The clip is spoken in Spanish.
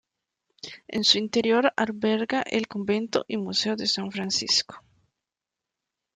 En su interior alberga el Convento y Museo de San Francisco.